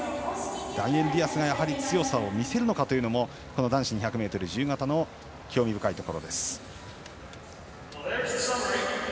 ダニエル・ディアスがやはり強さを見せるのかも男子２００ｍ自由形の興味深いところです。